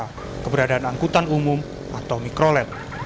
nah keberadaan angkutan umum atau mikroled